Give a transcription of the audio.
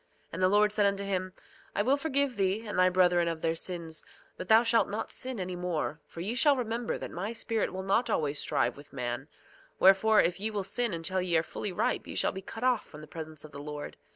And the Lord said unto him: I will forgive thee and thy brethren of their sins; but thou shalt not sin any more, for ye shall remember that my Spirit will not always strive with man; wherefore, if ye will sin until ye are fully ripe ye shall be cut off from the presence of the Lord.